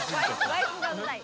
ワイプがウザい？